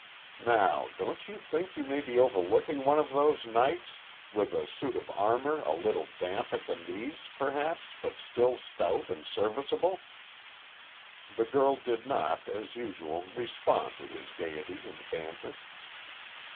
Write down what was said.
Now, don't you think you may be overlooking one of those knights, with a suit of armor a little damp at the knees, perhaps, but still stout and serviceable?" The girl did not, as usual, respond to his gayety and banter.